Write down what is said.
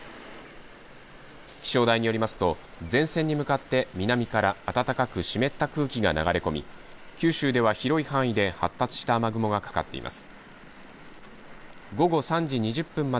気象台によりますと前線に向かって南から暖かく湿った空気が流れ込み九州では広い範囲で発達した雨雲がかかっています。